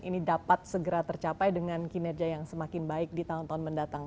ini dapat segera tercapai dengan kinerja yang semakin baik di tahun tahun mendatang